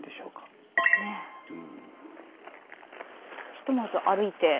ひとまず歩いて。